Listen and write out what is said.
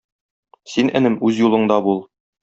Син, энем, үз юлыңда бул